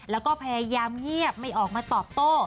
แล้วก็พยายามเงียบไม่ออกมาตอบโต้